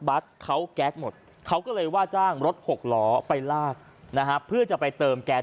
ัสเขาแก๊สหมดเขาก็เลยว่าจ้างรถหกล้อไปลากนะฮะเพื่อจะไปเติมแก๊ส